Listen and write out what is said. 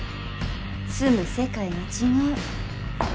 住む世界が違う。